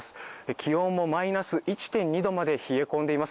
気温もマイナス１．２度まで冷え込んでいます。